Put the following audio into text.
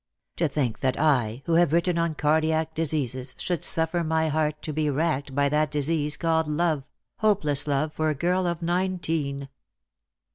" To think that I, who have written on cardiac diseases, should suffer my heart to be racked by that disease called love — hopeless love for a girl of nineteen